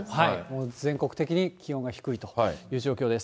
全国的に気温が低いという状況です。